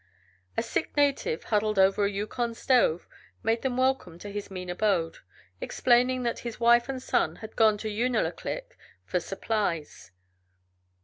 A sick native, huddled over a Yukon stove, made them welcome to his mean abode, explaining that his wife and son had gone to Unalaklik for supplies.